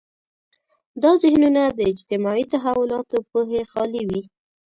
دا ذهنونه د اجتماعي تحولاتو پوهې خالي وي.